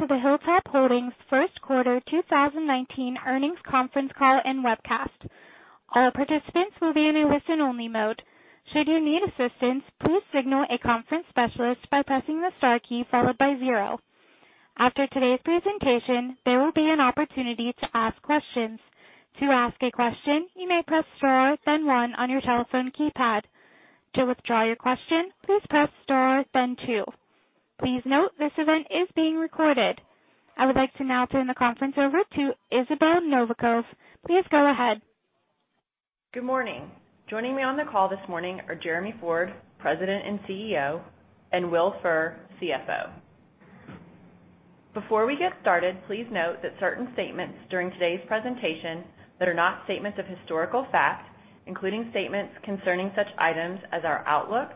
Hey, welcome to the Hilltop Holdings first quarter 2019 earnings conference call and webcast. All participants will be in a listen-only mode. Should you need assistance, please signal a conference specialist by pressing the star key followed by zero. After today's presentation, there will be an opportunity to ask questions. To ask a question, you may press star then one on your telephone keypad. To withdraw your question, please press star then two. Please note this event is being recorded. I would like to now turn the conference over to Isabelle Novikov. Please go ahead. Good morning. Joining me on the call this morning are Jeremy Ford, President and Chief Executive Officer, and Will Furr, Chief Financial Officer. Before we get started, please note that certain statements during today's presentation that are not statements of historical fact, including statements concerning such items as our outlook,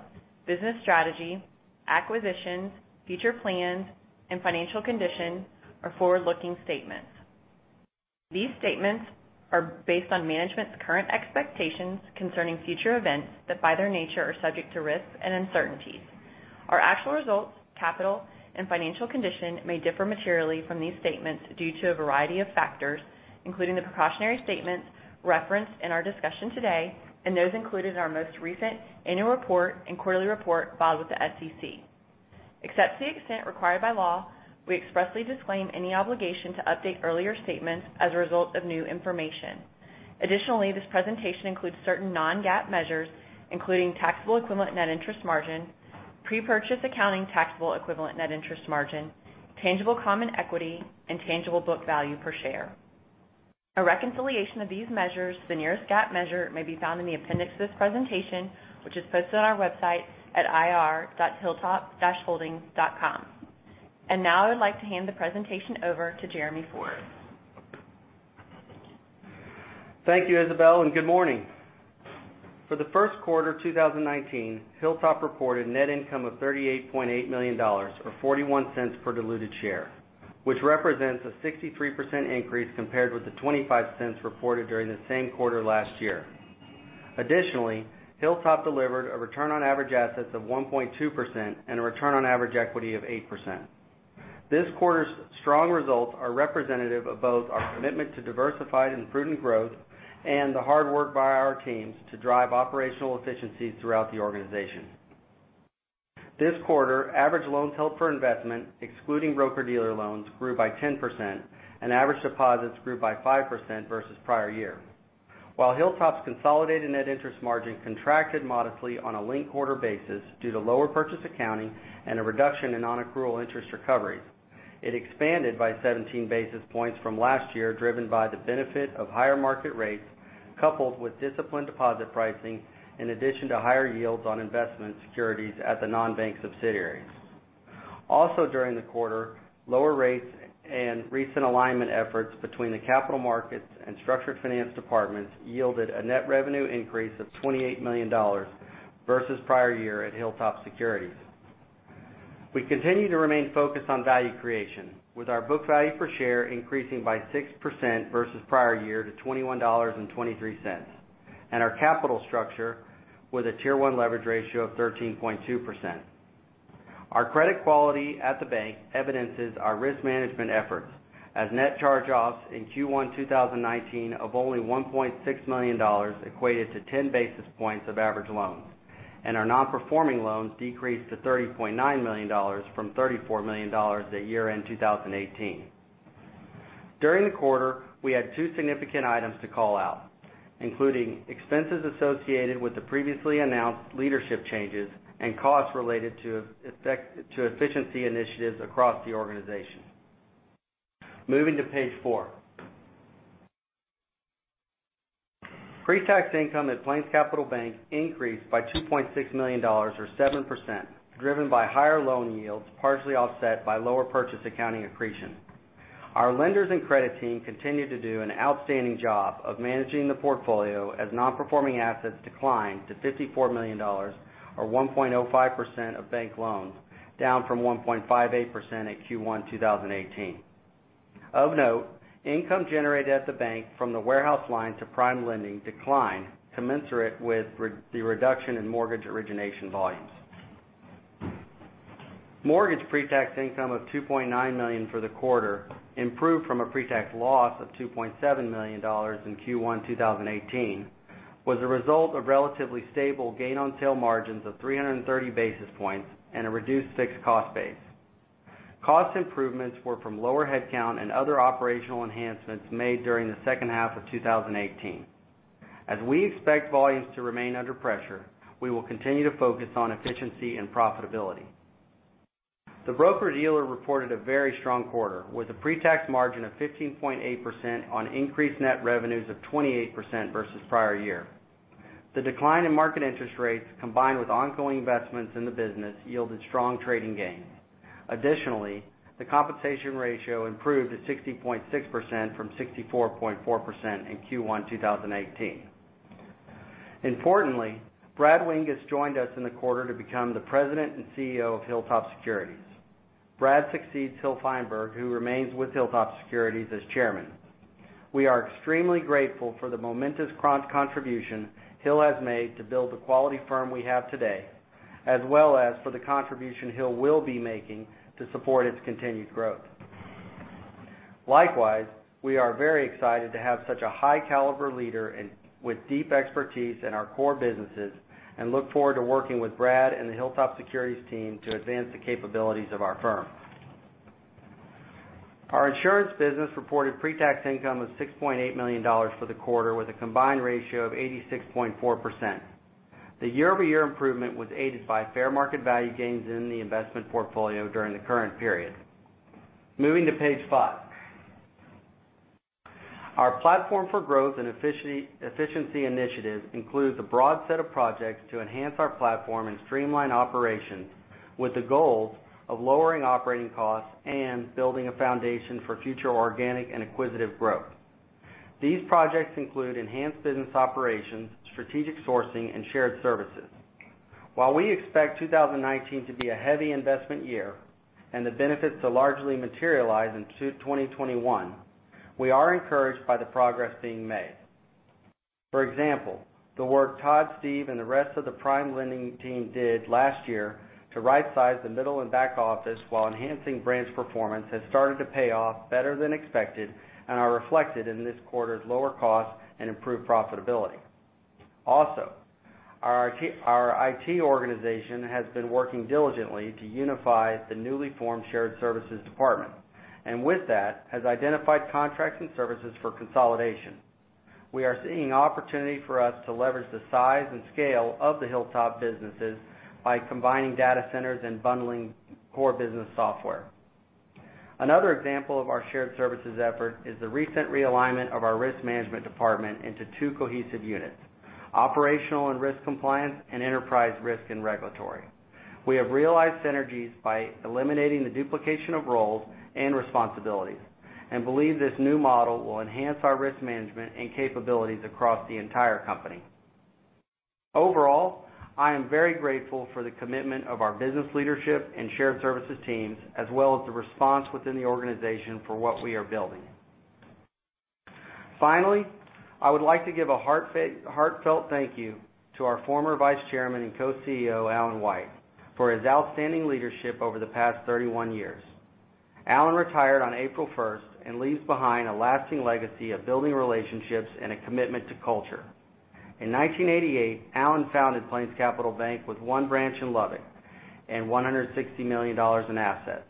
business strategy, acquisitions, future plans, and financial condition, are forward-looking statements. These statements are based on management's current expectations concerning future events that, by their nature, are subject to risks and uncertainties. Our actual results, capital, and financial condition may differ materially from these statements due to a variety of factors, including the precautionary statements referenced in our discussion today, and those included in our most recent annual report and quarterly report filed with the SEC. Except to the extent required by law, we expressly disclaim any obligation to update earlier statements as a result of new information. Additionally, this presentation includes certain non-GAAP measures, including taxable-equivalent net interest margin, pre-purchase accounting taxable-equivalent net interest margin, tangible common equity, and tangible book value per share. A reconciliation of these measures to the nearest GAAP measure may be found in the appendix of this presentation, which is posted on our website at ir.hilltop-holdings.com. Now I would like to hand the presentation over to Jeremy Ford. Thank you, Isabelle, and good morning. For the first quarter of 2019, Hilltop reported net income of $38.8 million, or $0.41 per diluted share, which represents a 63% increase compared with the $0.25 reported during the same quarter last year. Additionally, Hilltop delivered a return on average assets of 1.2% and a return on average equity of 8%. This quarter's strong results are representative of both our commitment to diversified and prudent growth and the hard work by our teams to drive operational efficiencies throughout the organization. This quarter, average loans held for investment, excluding broker-dealer loans, grew by 10%, and average deposits grew by 5% versus the prior year. While Hilltop's consolidated net interest margin contracted modestly on a linked-quarter basis due to lower purchase accounting and a reduction in non-accrual interest recoveries, it expanded by 17 basis points from last year, driven by the benefit of higher market rates coupled with disciplined deposit pricing in addition to higher yields on investment securities at the non-bank subsidiaries. During the quarter, lower rates and recent alignment efforts between the capital markets and structured finance departments yielded a net revenue increase of $28 million versus the prior year at Hilltop Securities. We continue to remain focused on value creation, with our book value per share increasing by 6% versus the prior year to $21.23, and our capital structure with a Tier 1 leverage ratio of 13.2%. Our credit quality at the bank evidences our risk management efforts as net charge-offs in Q1 2019 of only $1.6 million equated to 10 basis points of average loans, and our non-performing loans decreased to $30.9 million from $34 million at year-end 2018. During the quarter, we had two significant items to call out, including expenses associated with the previously announced leadership changes and costs related to efficiency initiatives across the organization. Moving to page four. Pre-tax income at PlainsCapital Bank increased by $2.6 million or 7%, driven by higher loan yields, partially offset by lower purchase accounting accretion. Our lenders and credit team continued to do an outstanding job of managing the portfolio as non-performing assets declined to $54 million or 1.05% of bank loans, down from 1.58% at Q1 2018. Of note, income generated at the bank from the warehouse line to PrimeLending declined commensurate with the reduction in mortgage origination volumes. Mortgage pre-tax income of $2.9 million for the quarter improved from a pre-tax loss of $2.7 million in Q1 2018 was a result of relatively stable gain on sale margins of 330 basis points and a reduced fixed cost base. Cost improvements were from lower headcount and other operational enhancements made during the second half of 2018. As we expect volumes to remain under pressure, we will continue to focus on efficiency and profitability. The broker-dealer reported a very strong quarter, with a pre-tax margin of 15.8% on increased net revenues of 28% versus the prior year. The decline in market interest rates, combined with ongoing investments in the business, yielded strong trading gains. The compensation ratio improved to 60.6% from 64.4% in Q1 2018. Importantly, Brad Wing has joined us in the quarter to become the President and CEO of Hilltop Securities. Brad succeeds Hill Feinberg, who remains with Hilltop Securities as Chairman. We are extremely grateful for the momentous contribution Hill has made to build the quality firm we have today, as well as for the contribution Hill will be making to support its continued growth. Likewise, we are very excited to have such a high caliber leader with deep expertise in our core businesses, and look forward to working with Brad and the Hilltop Securities team to advance the capabilities of our firm. Our insurance business reported pre-tax income of $6.8 million for the quarter with a combined ratio of 86.4%. The year-over-year improvement was aided by fair market value gains in the investment portfolio during the current period. Moving to page five. Our platform for growth and efficiency initiatives includes a broad set of projects to enhance our platform and streamline operations with the goals of lowering operating costs and building a foundation for future organic and acquisitive growth. These projects include enhanced business operations, strategic sourcing, and shared services. While we expect 2019 to be a heavy investment year and the benefits to largely materialize in 2021, we are encouraged by the progress being made. For example, the work Todd, Steve, and the rest of the PrimeLending team did last year to right size the middle and back office while enhancing branch performance has started to pay off better than expected and are reflected in this quarter's lower cost and improved profitability. Our IT organization has been working diligently to unify the newly formed shared services department, with that, has identified contracts and services for consolidation. We are seeing opportunity for us to leverage the size and scale of the Hilltop businesses by combining data centers and bundling core business software. Another example of our shared services effort is the recent realignment of our risk management department into two cohesive units, operational and risk compliance, and enterprise risk and regulatory. We have realized synergies by eliminating the duplication of roles and responsibilities, and believe this new model will enhance our risk management and capabilities across the entire company. Overall, I am very grateful for the commitment of our business leadership and shared services teams, as well as the response within the organization for what we are building. Finally, I would like to give a heartfelt thank you to our former Vice Chairman and Co-Chief Executive Officer, Allan White, for his outstanding leadership over the past 31 years. Allan retired on April 1st and leaves behind a lasting legacy of building relationships and a commitment to culture. In 1988, Allan founded PlainsCapital Bank with one branch in Lubbock and $160 million in assets.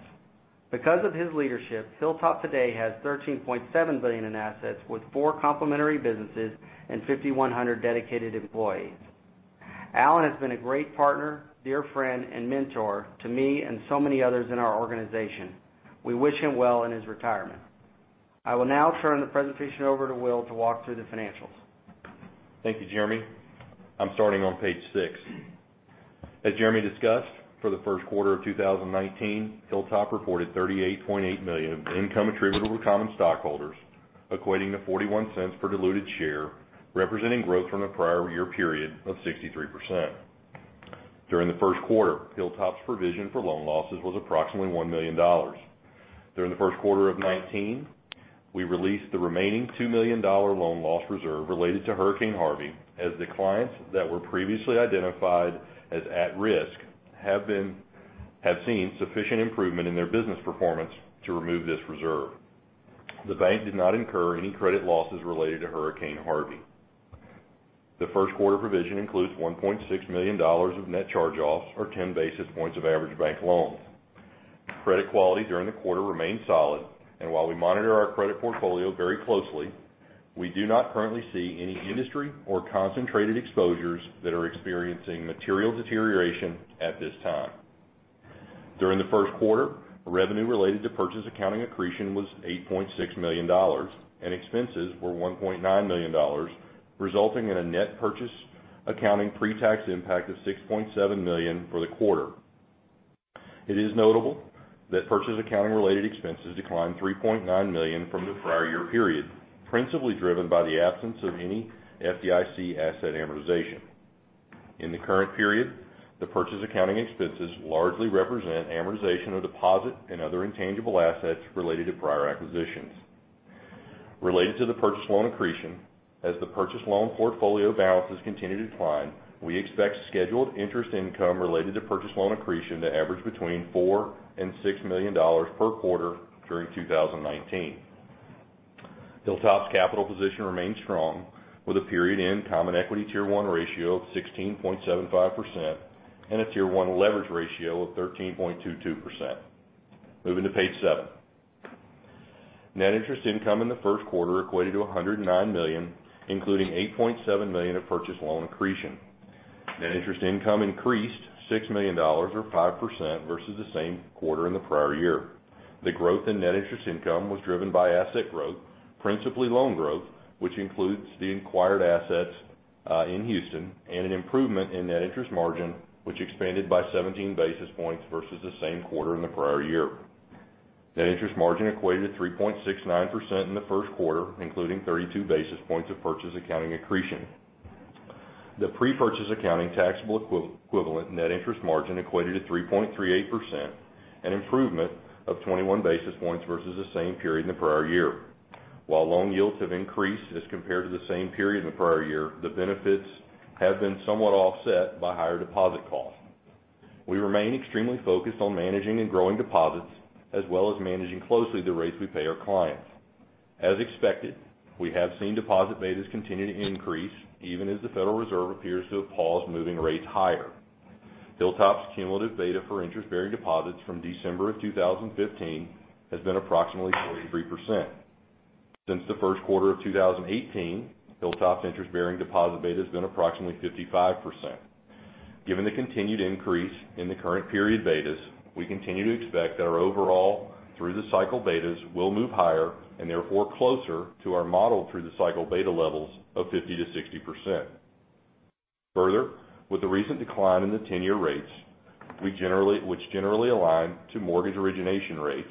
Because of his leadership, Hilltop today has $13.7 billion in assets with four complementary businesses and 5,100 dedicated employees. Allan has been a great partner, dear friend, and mentor to me and so many others in our organization. We wish him well in his retirement. I will now turn the presentation over to Will to walk through the financials. Thank you, Jeremy. I'm starting on page six. As Jeremy discussed, for the first quarter of 2019, Hilltop reported $38.8 million of income attributable to common stockholders, equating to $0.41 per diluted share, representing growth from the prior year period of 63%. During the first quarter, Hilltop's provision for loan losses was approximately $1 million. During the first quarter of 2019, we released the remaining $2 million loan loss reserve related to Hurricane Harvey, as the clients that were previously identified as at risk have seen sufficient improvement in their business performance to remove this reserve. The bank did not incur any credit losses related to Hurricane Harvey. The first quarter provision includes $1.6 million of net charge-offs, or 10 basis points of average bank loans. Credit quality during the quarter remained solid, and while we monitor our credit portfolio very closely, we do not currently see any industry or concentrated exposures that are experiencing material deterioration at this time. During the first quarter, revenue related to purchase accounting accretion was $8.6 million, and expenses were $1.9 million, resulting in a net purchase accounting pre-tax impact of $6.7 million for the quarter. It is notable that purchase accounting-related expenses declined $3.9 million from the prior year period, principally driven by the absence of any FDIC asset amortization. In the current period, the purchase accounting expenses largely represent amortization of deposit and other intangible assets related to prior acquisitions. Related to the purchase loan accretion, as the purchase loan portfolio balances continue to decline, we expect scheduled interest income related to purchase loan accretion to average between $4 million and $6 million per quarter during 2019. Hilltop's capital position remains strong with a period-end Common Equity Tier 1 ratio of 16.75% and a Tier 1 leverage ratio of 13.22%. Moving to page seven. Net interest income in the first quarter equated to $109 million, including $8.7 million of purchase loan accretion. Net interest income increased $6 million, or 5%, versus the same quarter in the prior year. The growth in net interest income was driven by asset growth, principally loan growth, which includes the acquired assets in Houston, and an improvement in net interest margin, which expanded by 17 basis points versus the same quarter in the prior year. Net interest margin equated to 3.69% in the first quarter, including 32 basis points of purchase accounting accretion. The pre-purchase accounting taxable-equivalent net interest margin equated to 3.38%, an improvement of 21 basis points versus the same period in the prior year. While loan yields have increased as compared to the same period in the prior year, the benefits have been somewhat offset by higher deposit costs. We remain extremely focused on managing and growing deposits, as well as managing closely the rates we pay our clients. As expected, we have seen deposit betas continue to increase even as the Federal Reserve appears to have paused moving rates higher. Hilltop's cumulative beta for interest-bearing deposits from December of 2015 has been approximately 43%. Since the first quarter of 2018, Hilltop's interest-bearing deposit beta has been approximately 55%. Given the continued increase in the current period betas, we continue to expect that our overall through-the-cycle betas will move higher and therefore closer to our model through-the-cycle beta levels of 50%-60%. With the recent decline in the 10-year rates, which generally align to mortgage origination rates,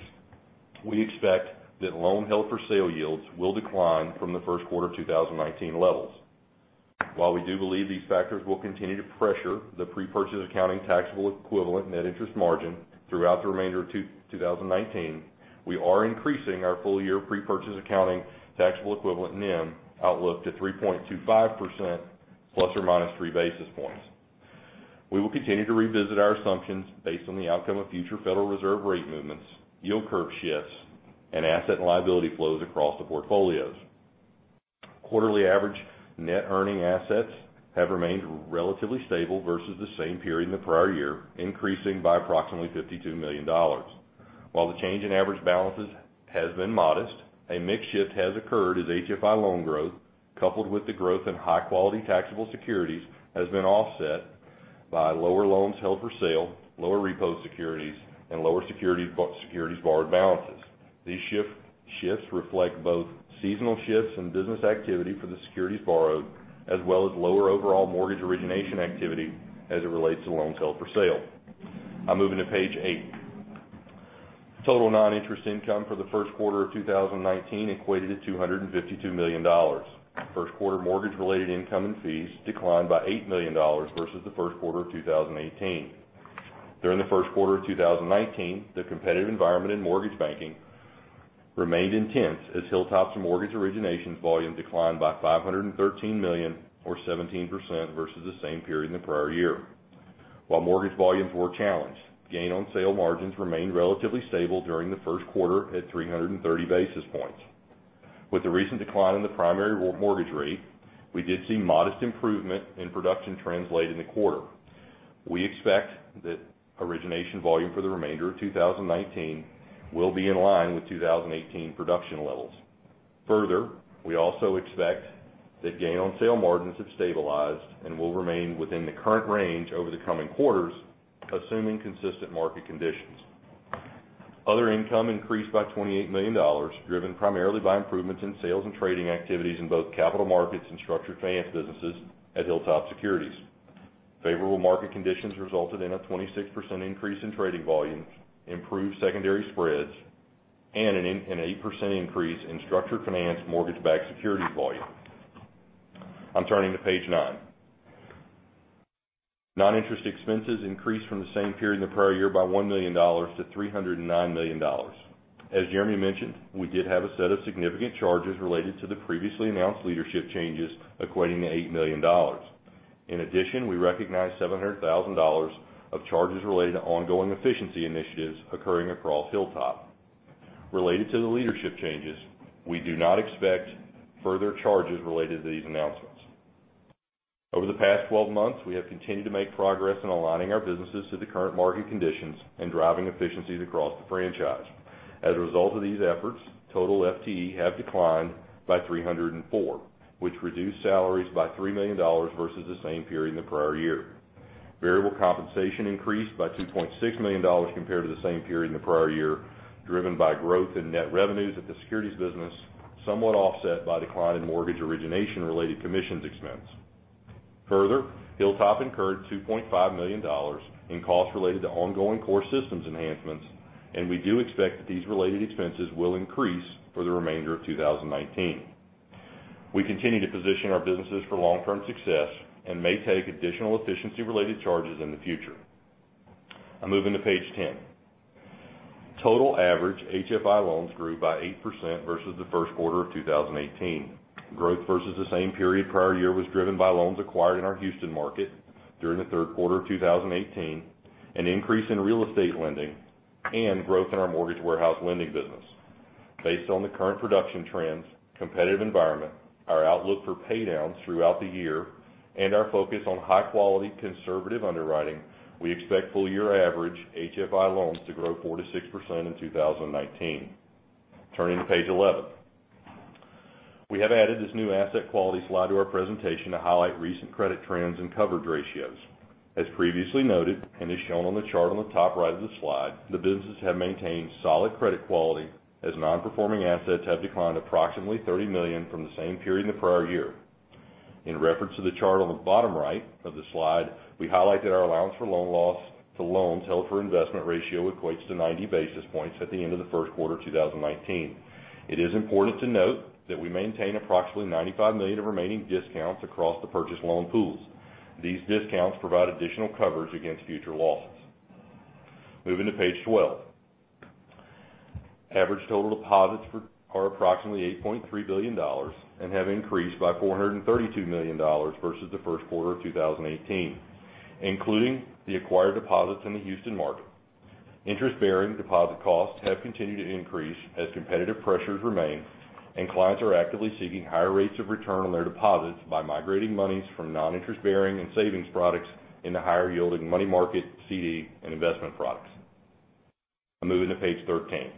we expect that loan held for sale yields will decline from the first quarter 2019 levels. While we do believe these factors will continue to pressure the pre-purchase accounting taxable-equivalent net interest margin throughout the remainder of 2019, we are increasing our full year pre-purchase accounting taxable-equivalent NIM outlook to 3.25% ±3 basis points. We will continue to revisit our assumptions based on the outcome of future Federal Reserve rate movements, yield curve shifts, and asset and liability flows across the portfolios. Quarterly average net earning assets have remained relatively stable versus the same period in the prior year, increasing by approximately $52 million. While the change in average balances has been modest, a mix shift has occurred as HFI loan growth, coupled with the growth in high-quality taxable securities, has been offset by lower loans held for sale, lower repo securities, and lower securities borrowed balances. These shifts reflect both seasonal shifts in business activity for the securities borrowed, as well as lower overall mortgage origination activity as it relates to loans held for sale. I move into page nine. Total non-interest income for the first quarter of 2019 equated to $252 million. First quarter mortgage-related income and fees declined by $8 million versus the first quarter of 2018. During the first quarter of 2019, the competitive environment in mortgage banking remained intense as Hilltop's mortgage originations volume declined by $513 million or 17% versus the same period in the prior year. While mortgage volumes were challenged, gain-on-sale margins remained relatively stable during the first quarter at 330 basis points. With the recent decline in the primary mortgage rate, we did see modest improvement in production trends late in the quarter. We expect that origination volume for the remainder of 2019 will be in line with 2018 production levels. We also expect that gain-on-sale margins have stabilized and will remain within the current range over the coming quarters, assuming consistent market conditions. Other income increased by $28 million, driven primarily by improvements in sales and trading activities in both capital markets and structured finance businesses at Hilltop Securities. Favorable market conditions resulted in a 26% increase in trading volume, improved secondary spreads, and an 8% increase in structured finance mortgage-backed securities volume. I'm turning to page nine. Non-interest expenses increased from the same period in the prior year by $1 million to $309 million. As Jeremy mentioned, we did have a set of significant charges related to the previously announced leadership changes equating to $8 million. We recognized $700,000 of charges related to ongoing efficiency initiatives occurring across Hilltop. Related to the leadership changes, we do not expect further charges related to these announcements. Over the past 12 months, we have continued to make progress in aligning our businesses to the current market conditions and driving efficiencies across the franchise. As a result of these efforts, total FTE have declined by 304, which reduced salaries by $3 million versus the same period in the prior year. Variable compensation increased by $2.6 million compared to the same period in the prior year, driven by growth in net revenues at the securities business, somewhat offset by decline in mortgage origination-related commissions expense. Further, Hilltop incurred $2.5 million in costs related to ongoing core systems enhancements, and we do expect that these related expenses will increase for the remainder of 2019. We continue to position our businesses for long-term success and may take additional efficiency-related charges in the future. I'm moving to page 10. Total average HFI loans grew by 8% versus the first quarter of 2018. Growth versus the same period prior year was driven by loans acquired in our Houston market during the third quarter of 2018, an increase in real estate lending, and growth in our mortgage warehouse lending business. Based on the current production trends, competitive environment, our outlook for paydowns throughout the year, and our focus on high-quality, conservative underwriting, we expect full year average HFI loans to grow 4%-6% in 2019. Turning to page 11. We have added this new asset quality slide to our presentation to highlight recent credit trends and coverage ratios. As previously noted, and as shown on the chart on the top right of the slide, the businesses have maintained solid credit quality as non-performing assets have declined approximately $30 million from the same period in the prior year. In reference to the chart on the bottom right of the slide, we highlighted our allowance for loan loss to loans held for investment ratio equates to 90 basis points at the end of the first quarter of 2019. It is important to note that we maintain approximately $95 million of remaining discounts across the purchased loan pools. These discounts provide additional coverage against future losses. Moving to page 12. Average total deposits are approximately $8.3 billion and have increased by $432 million versus the first quarter of 2018, including the acquired deposits in the Houston market. Interest-bearing deposit costs have continued to increase as competitive pressures remain. Clients are actively seeking higher rates of return on their deposits by migrating monies from non-interest-bearing and savings products into higher-yielding money market, CD, and investment products. I'm moving to page 13.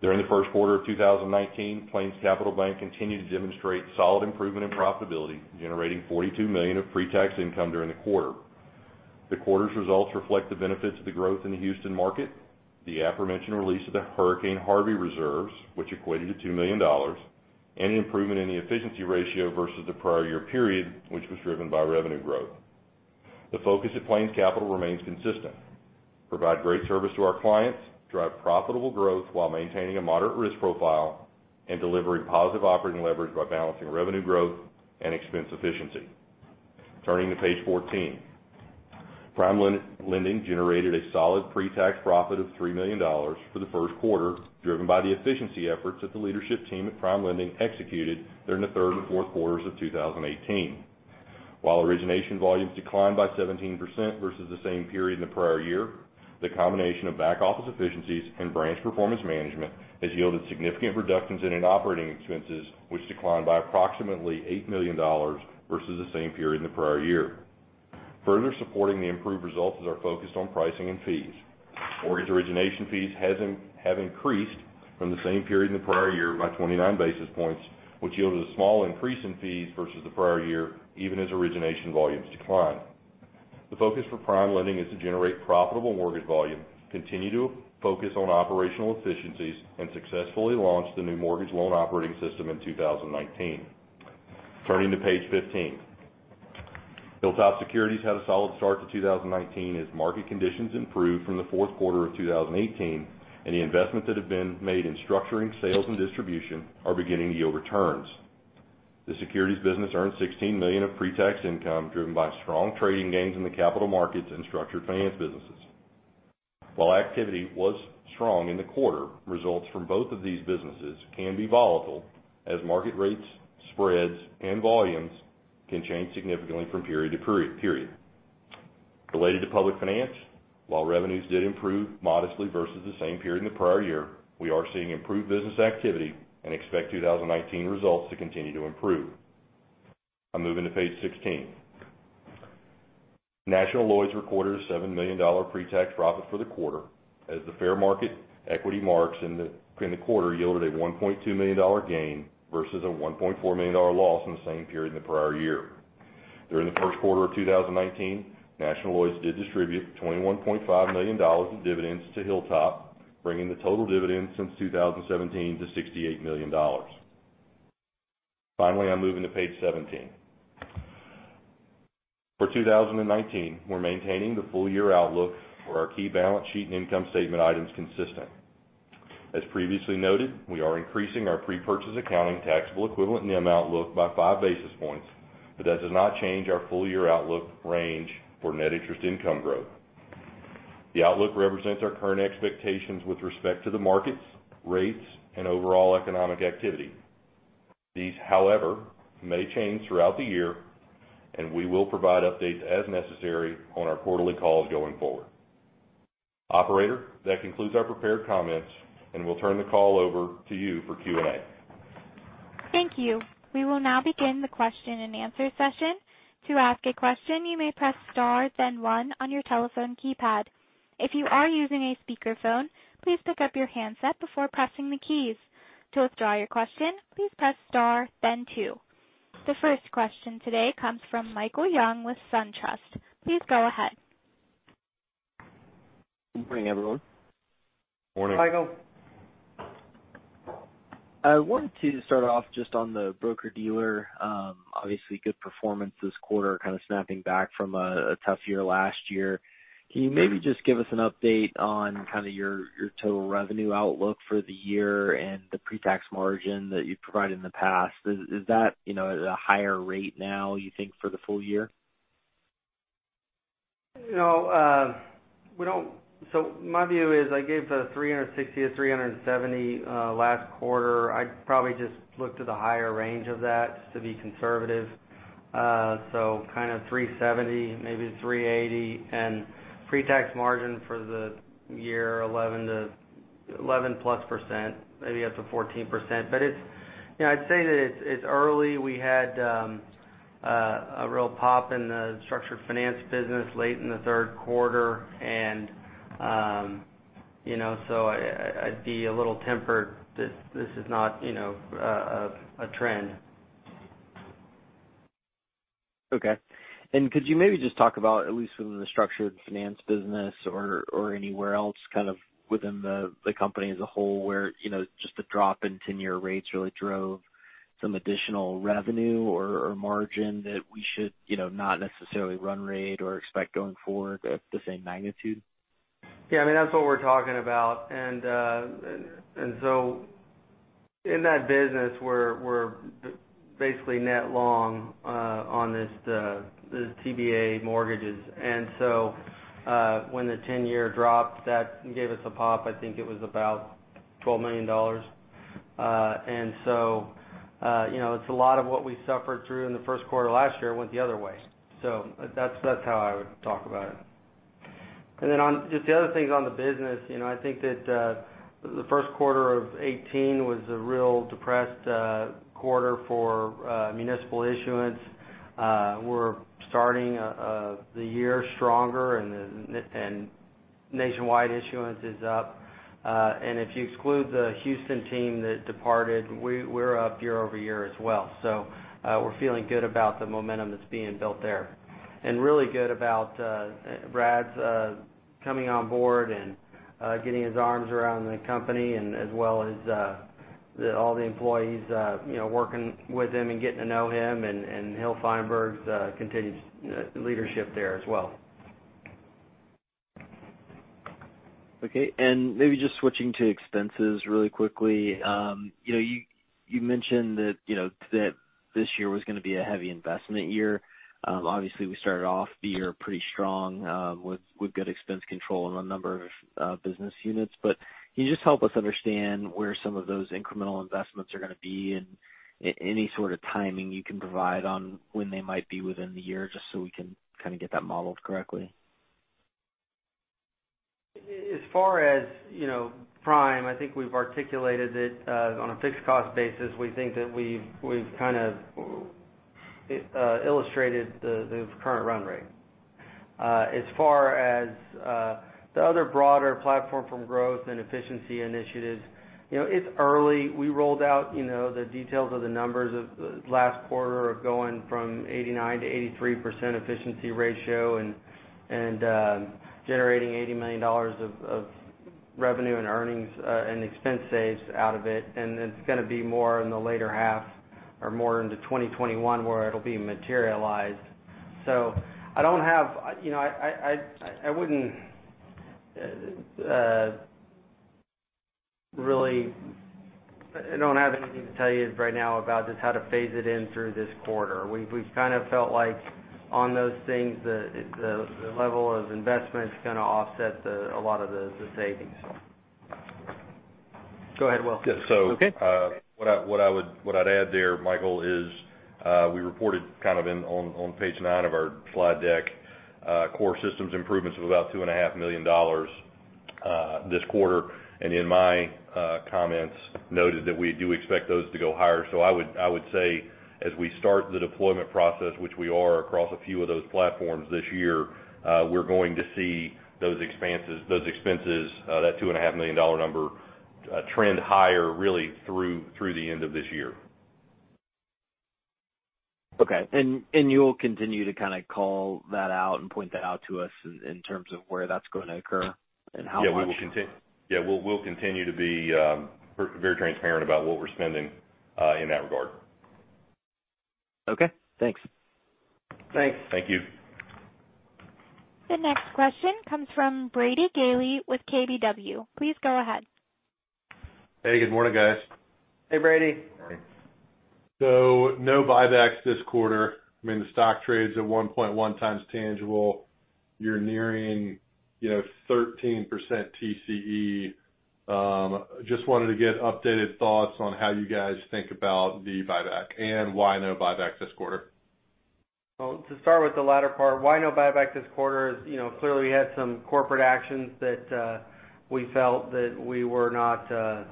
During the first quarter of 2019, PlainsCapital Bank continued to demonstrate solid improvement in profitability, generating $42 million of pre-tax income during the quarter. The quarter's results reflect the benefits of the growth in the Houston market, the aforementioned release of the Hurricane Harvey reserves, which equated to $2 million, and an improvement in the efficiency ratio versus the prior year period, which was driven by revenue growth. The focus at PlainsCapital remains consistent: provide great service to our clients, drive profitable growth while maintaining a moderate risk profile, and delivering positive operating leverage by balancing revenue growth and expense efficiency. Turning to page 14. PrimeLending generated a solid pre-tax profit of $3 million for the first quarter, driven by the efficiency efforts that the leadership team at PrimeLending executed during the third and fourth quarters of 2018. While origination volumes declined by 17% versus the same period in the prior year, the combination of back-office efficiencies and branch performance management has yielded significant reductions in operating expenses, which declined by approximately $8 million versus the same period in the prior year. Further supporting the improved results is our focus on pricing and fees. Mortgage origination fees have increased from the same period in the prior year by 29 basis points, which yielded a small increase in fees versus the prior year, even as origination volumes decline. The focus for PrimeLending is to generate profitable mortgage volume, continue to focus on operational efficiencies, and successfully launch the new mortgage loan operating system in 2019. Turning to page 15. Hilltop Securities had a solid start to 2019 as market conditions improved from the fourth quarter of 2018 and the investments that have been made in structuring sales and distribution are beginning to yield returns. The securities business earned $16 million of pre-tax income, driven by strong trading gains in the capital markets and structured finance businesses. While activity was strong in the quarter, results from both of these businesses can be volatile as market rates, spreads, and volumes can change significantly from period to period. Related to public finance, while revenues did improve modestly versus the same period in the prior year, we are seeing improved business activity and expect 2019 results to continue to improve. I'm moving to page 16. National Lloyds reported a $7 million pre-tax profit for the quarter as the fair market equity marks in the quarter yielded a $1.2 million gain versus a $1.4 million loss in the same period in the prior year. During the first quarter of 2019, National Lloyds did distribute $21.5 million in dividends to Hilltop, bringing the total dividends since 2017 to $68 million. I'm moving to page 17. For 2019, we're maintaining the full year outlook for our key balance sheet and income statement items consistent. As previously noted, we are increasing our pre-purchase accounting taxable-equivalent NIM outlook by five basis points. That does not change our full-year outlook range for net interest income growth. The outlook represents our current expectations with respect to the markets, rates, and overall economic activity. These, however, may change throughout the year. We will provide updates as necessary on our quarterly calls going forward. Operator, that concludes our prepared comments. We'll turn the call over to you for Q&A. Thank you. We will now begin the question-and-answer session. To ask a question, you may press star then one on your telephone keypad. If you are using a speakerphone, please pick up your handset before pressing the keys. To withdraw your question, please press star then two. The first question today comes from Michael Young with SunTrust. Please go ahead. Good morning, everyone. Morning. Michael. I wanted to start off just on the broker-dealer. Obviously good performance this quarter, kind of snapping back from a tough year last year. Can you maybe just give us an update on your total revenue outlook for the year and the pre-tax margin that you've provided in the past? Is that at a higher rate now, you think, for the full year? My view is I gave the $360-$370 last quarter. I'd probably just look to the higher range of that just to be conservative. $370, maybe $380. Pre-tax margin for the year, 11% plus, maybe up to 14%. I'd say that it's early. We had a real pop in the structured finance business late in the third quarter, I'd be a little tempered that this is not a trend. Okay. Could you maybe just talk about at least within the structured finance business or anywhere else within the company as a whole where just the drop in 10-year rates really drove some additional revenue or margin that we should not necessarily run rate or expect going forward at the same magnitude? Yeah, I mean, that's what we're talking about. In that business, we're basically net long on this TBA mortgages. When the 10-year dropped, that gave us a pop, I think it was about $12 million. It's a lot of what we suffered through in the first quarter last year went the other way. That's how I would talk about it. On just the other things on the business, I think that the first quarter of 2018 was a real depressed quarter for municipal issuance. We're starting the year stronger and nationwide issuance is up. If you exclude the Houston team that departed, we're up year-over-year as well. We're feeling good about the momentum that's being built there. Really good about Brad's coming on board and getting his arms around the company and as well as all the employees working with him and getting to know him, and Hill Feinberg's continued leadership there as well. Okay. Maybe just switching to expenses really quickly. You mentioned that this year was going to be a heavy investment year. Obviously, we started off the year pretty strong with good expense control in a number of business units. Can you just help us understand where some of those incremental investments are going to be and any sort of timing you can provide on when they might be within the year, just so we can kind of get that modeled correctly? As far as Prime, I think we've articulated it on a fixed cost basis. We think that we've kind of illustrated the current run rate. As far as the other broader platform from growth and efficiency initiatives, it's early. We rolled out the details of the numbers of the last quarter of going from 89% to 83% efficiency ratio and generating $80 million of revenue and earnings and expense saves out of it. It's going to be more in the later half or more into 2021 where it'll be materialized. I don't have anything to tell you right now about just how to phase it in through this quarter. We've kind of felt like on those things, the level of investment's going to offset a lot of the savings. Go ahead, Will. Yeah. Okay. What I'd add there, Michael, is we reported kind of on page nine of our slide deck, core systems improvements of about $2.5 million this quarter. In my comments noted that we do expect those to go higher. I would say as we start the deployment process, which we are across a few of those platforms this year, we're going to see those expenses, that $2.5 million number, trend higher really through the end of this year. Okay. You'll continue to kind of call that out and point that out to us in terms of where that's going to occur and how much? Yeah, we'll continue to be very transparent about what we're spending in that regard. Okay, thanks. Thanks. Thank you. The next question comes from Brady Gailey with KBW. Please go ahead. Hey, good morning, guys. Hey, Brady. No buybacks this quarter. I mean, the stock trades at 1.1 times tangible. You're nearing 13% TCE. Just wanted to get updated thoughts on how you guys think about the buyback and why no buyback this quarter. Well, to start with the latter part, why no buyback this quarter is, clearly we had some corporate actions that we felt that we were not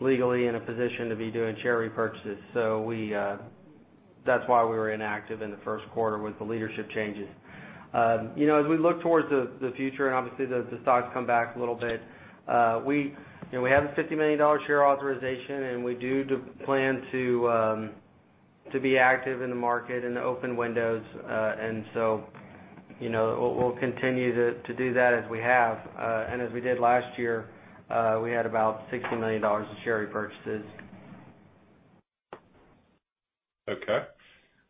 legally in a position to be doing share repurchases. That's why we were inactive in the first quarter with the leadership changes. As we look towards the future and obviously the stock's come back a little bit, we have a $50 million share authorization, and we do plan to be active in the market in the open windows. We'll continue to do that as we have. As we did last year, we had about $60 million of share repurchases. Okay.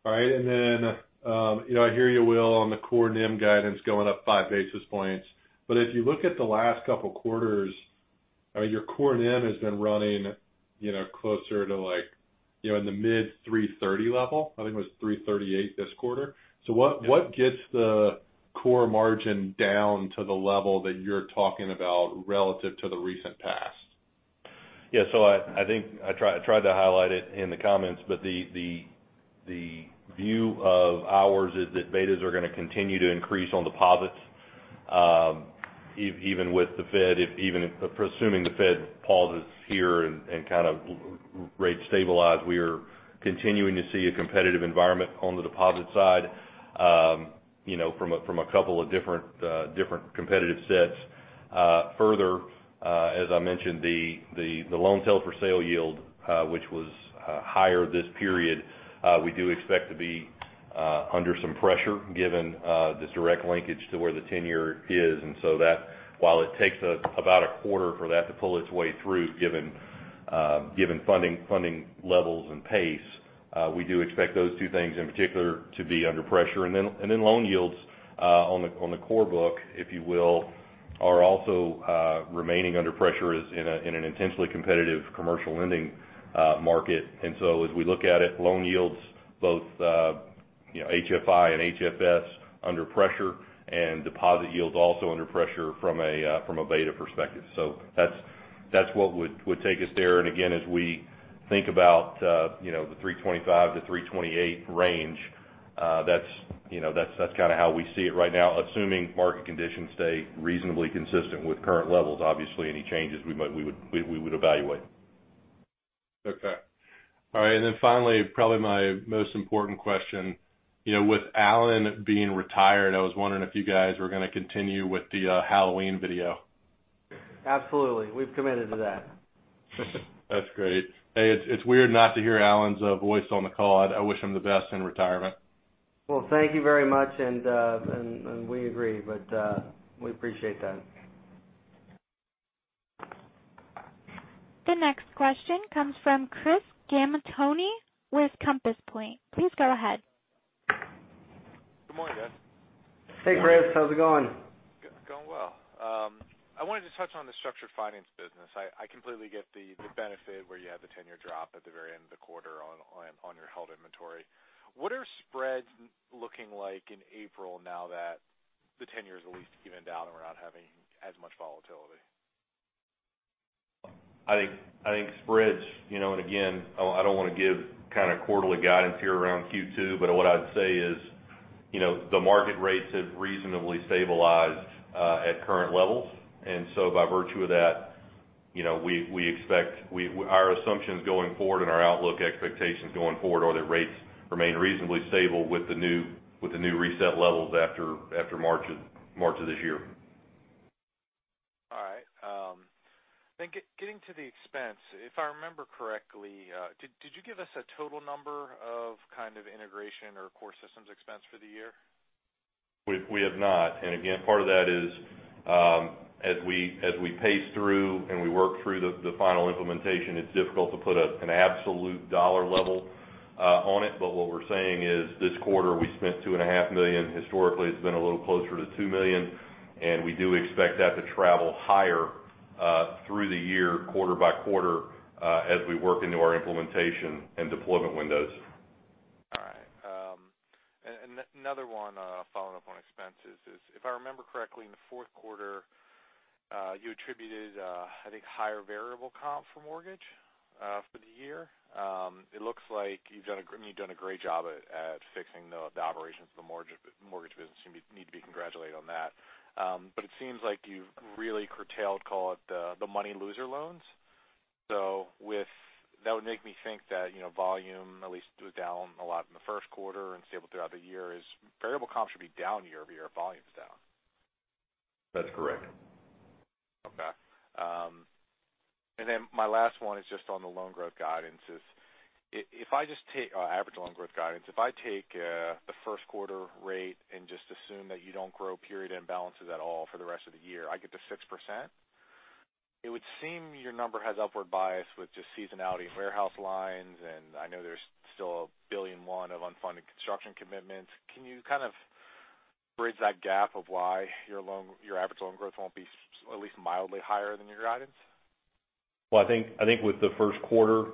All right. I hear you, Will, on the core NIM guidance going up five basis points. If you look at the last couple of quarters, your core NIM has been running closer to in the mid 330 level. I think it was 338 this quarter. What gets the core margin down to the level that you're talking about relative to the recent past? Yeah. I think I tried to highlight it in the comments, the view of ours is that betas are going to continue to increase on deposits, even with the Fed, even if assuming the Fed pauses here and kind of rate stabilize. We are continuing to see a competitive environment on the deposit side from a couple of different competitive sets. Further, as I mentioned, the loan sale for sale yield, which was higher this period, we do expect to be under some pressure given this direct linkage to where the tenure is. That while it takes about a quarter for that to pull its way through given funding levels and pace, we do expect those two things in particular to be under pressure. Loan yields on the core book, if you will, are also remaining under pressure in an intensely competitive commercial lending market. As we look at it, loan yields both HFI and HFS under pressure and deposit yields also under pressure from a beta perspective. That's what would take us there. Again, as we think about the 325-328 range, that's how we see it right now, assuming market conditions stay reasonably consistent with current levels. Obviously, any changes we would evaluate. Okay. All right. Finally, probably my most important question. With Alan being retired, I was wondering if you guys were going to continue with the Halloween video. Absolutely. We've committed to that. That's great. Hey, it's weird not to hear Alan's voice on the call. I wish him the best in retirement. Well, thank you very much, and we agree. We appreciate that. The next question comes from Christopher Gamaitoni with Compass Point. Please go ahead. Good morning, guys. Hey, Chris. How's it going? Going well. I wanted to touch on the structured finance business. I completely get the benefit where you have the 10-year drop at the very end of the quarter on your held inventory. What are spreads looking like in April now that the 10-year is at least evened out and we're not having as much volatility? I think spreads, and again, I don't want to give kind of quarterly guidance here around Q2, but what I'd say is, the market rates have reasonably stabilized at current levels. By virtue of that, our assumptions going forward and our outlook expectations going forward are that rates remain reasonably stable with the new reset levels after March of this year. All right. Getting to the expense, if I remember correctly, did you give us a total number of kind of integration or core systems expense for the year? We have not. Again, part of that is as we pace through and we work through the final implementation, it's difficult to put an absolute dollar level on it. What we're saying is this quarter we spent $2.5 million. Historically, it's been a little closer to $2 million, and we do expect that to travel higher through the year, quarter by quarter, as we work into our implementation and deployment windows. All right. Another one following up on expenses is, if I remember correctly, in the fourth quarter, you attributed I think higher variable comp for mortgage for the year. It looks like you've done a great job at fixing the operations of the mortgage business. You need to be congratulated on that. It seems like you've really curtailed, call it the money loser loans. That would make me think that volume at least was down a lot in the first quarter and stable throughout the year. Variable comp should be down year-over-year if volume's down. That's correct. Okay. Then my last one is just on the loan growth guidance. Average loan growth guidance. If I take the first quarter rate and just assume that you don't grow period end balances at all for the rest of the year, I get to 6%. It would seem your number has upward bias with just seasonality in warehouse lines, and I know there's still a billion and one of unfunded construction commitments. Can you kind of bridge that gap of why your average loan growth won't be at least mildly higher than your guidance? Well, I think with the first quarter,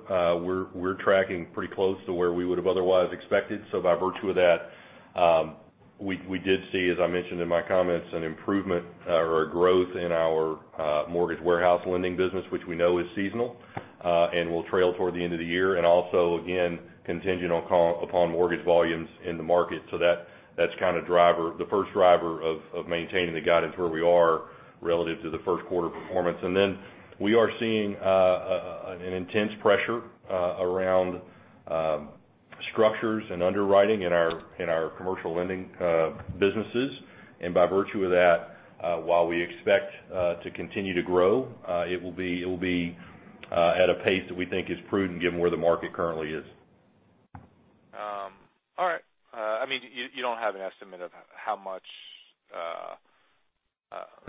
we're tracking pretty close to where we would have otherwise expected. By virtue of that, we did see, as I mentioned in my comments, an improvement or a growth in our mortgage warehouse lending business, which we know is seasonal, and will trail toward the end of the year. Also, again, contingent upon mortgage volumes in the market. That's kind of the first driver of maintaining the guidance where we are relative to the first quarter performance. Then we are seeing an intense pressure around structures and underwriting in our commercial lending businesses. By virtue of that, while we expect to continue to grow, it will be at a pace that we think is prudent given where the market currently is. All right. You don't have an estimate of how much.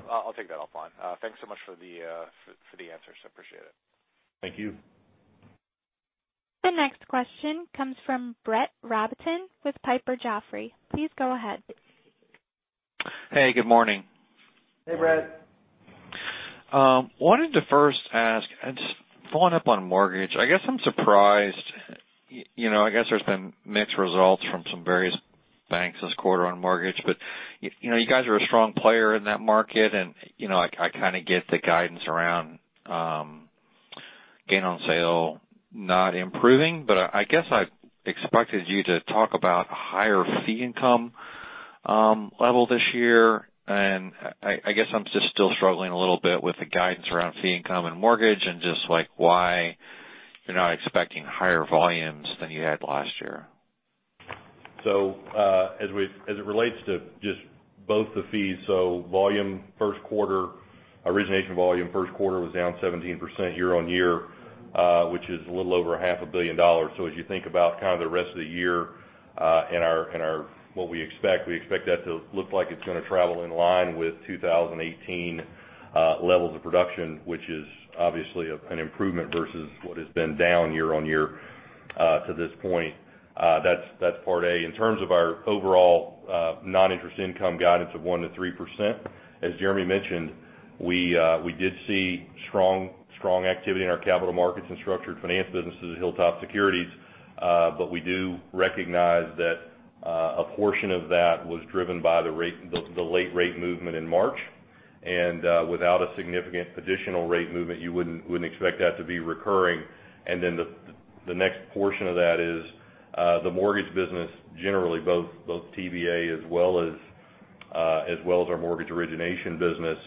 I'll take that offline. Thanks so much for the answers. I appreciate it. Thank you. The next question comes from Brett Rabatin with Piper Jaffray. Please go ahead. Hey, good morning. Hey, Brett. Wanted to first ask, just following up on mortgage, I guess I'm surprised. I guess there's been mixed results from some various banks this quarter on mortgage. You guys are a strong player in that market, and I kind of get the guidance around gain on sale not improving. I guess I expected you to talk about higher fee income level this year. I guess I'm just still struggling a little bit with the guidance around fee income and mortgage and just why you're not expecting higher volumes than you had last year. As it relates to just both the fees. Origination volume first quarter was down 17% year-over-year, which is a little over a half a billion dollars. As you think about kind of the rest of the year and what we expect, we expect that to look like it's going to travel in line with 2018 levels of production, which is obviously an improvement versus what has been down year-over-year to this point. That's part A. In terms of our overall non-interest income guidance of 1%-3%, as Jeremy mentioned, we did see strong activity in our capital markets and structured finance businesses at Hilltop Securities. We do recognize that a portion of that was driven by the late rate movement in March, and without a significant additional rate movement, you wouldn't expect that to be recurring. The next portion of that is the mortgage business, generally, both TBA as well as our mortgage origination business,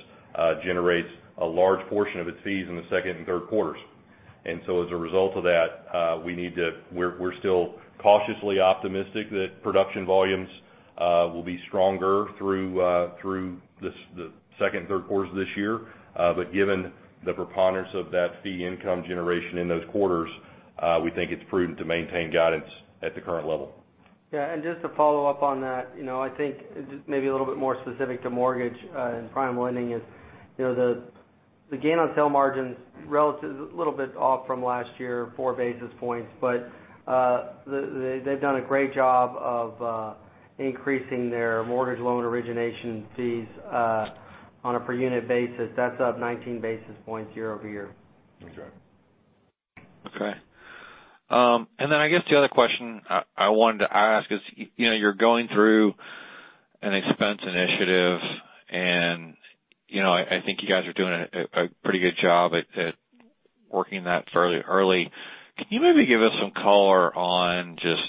generates a large portion of its fees in the second and third quarters. As a result of that, we're still cautiously optimistic that production volumes will be stronger through the second and third quarters of this year. Given the preponderance of that fee income generation in those quarters, we think it's prudent to maintain guidance at the current level. Just to follow up on that, I think maybe a little bit more specific to mortgage and PrimeLending is the gain on sale margins, a little bit off from last year, four basis points. They've done a great job of increasing their mortgage loan origination fees on a per unit basis. That's up 19 basis points year-over-year. That's right. I guess the other question I wanted to ask is, you're going through an expense initiative, and I think you guys are doing a pretty good job at working that fairly early. Can you maybe give us some color on just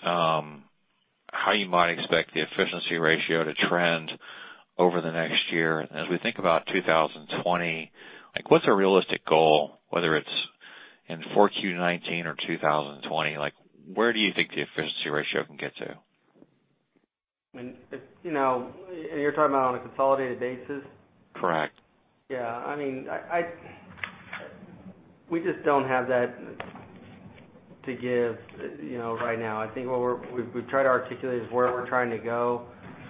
how you might expect the efficiency ratio to trend over the next year? As we think about 2020, what's a realistic goal, whether it's in 4Q 2019 or 2020? Where do you think the efficiency ratio can get to? You're talking about on a consolidated basis? Correct. Yeah. We just don't have that to give right now. I think what we've tried to articulate is where we're trying to go.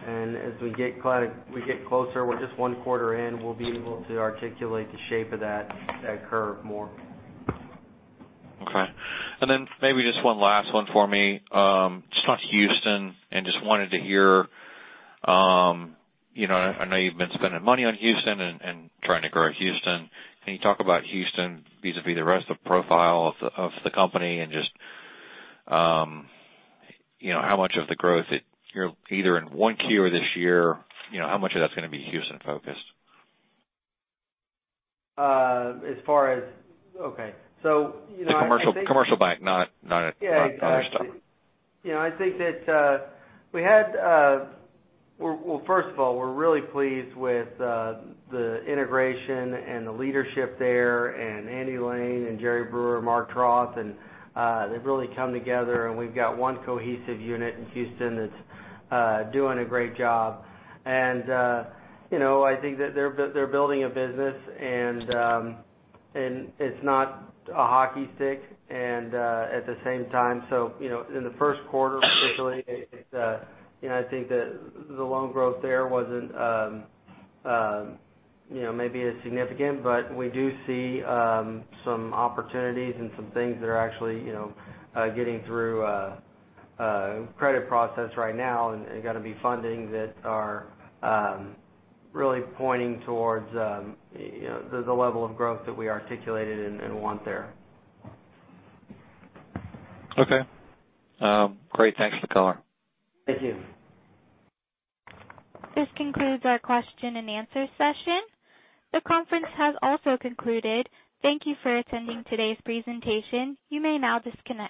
As we get closer, we're just one quarter in, we'll be able to articulate the shape of that curve more. Okay. Then maybe just one last one for me. Just on Houston. Just wanted to hear, I know you've been spending money on Houston and trying to grow Houston. Can you talk about Houston vis-a-vis the rest of the profile of the company and just how much of the growth, either in one Q or this year, how much of that's going to be Houston-focused? As far as Okay. The commercial bank, not other stuff. Exactly. I think that, well, first of all, we're really pleased with the integration and the leadership there and Andy Lane and Jerry Brewer, Mark Troth, and they've really come together, and we've got one cohesive unit in Houston that's doing a great job. I think that they're building a business, and it's not a hockey stick at the same time. In the first quarter, particularly, I think that the loan growth there wasn't maybe as significant, but we do see some opportunities and some things that are actually getting through credit process right now and going to be funding that are really pointing towards the level of growth that we articulated and want there. Okay. Great. Thanks for the color. Thank you. This concludes our question and answer session. The conference has also concluded. Thank you for attending today's presentation. You may now disconnect.